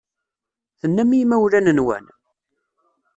Tennam i yimawlan-nwen?